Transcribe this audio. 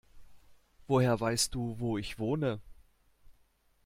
Woher weißt du, wo ich wohne?